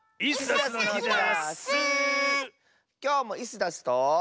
きょうもイスダスと。